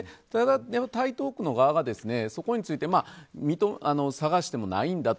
台東区側が、そこについて探してもないんだと。